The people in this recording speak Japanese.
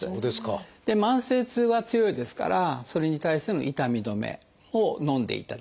慢性痛は強いですからそれに対する痛み止めをのんでいただく。